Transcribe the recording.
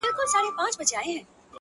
بار يم د ژوند په اوږو ځمه له جنجاله وځم!